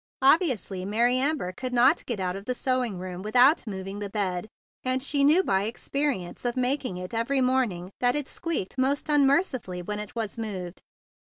Obviously Mary Amber could not get out of the sewing room without moving that bed, and she knew by experience of making it every morning that it squeaked most unmercifully when it was moved.